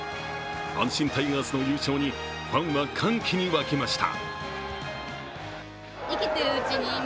阪神タイガースの優勝にファンは歓喜に沸きました。